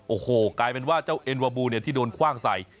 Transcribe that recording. โอ้โหกลายเป็นว่าเจ้าเอ็นวาบูเนี่ยที่โดนคว่างใส่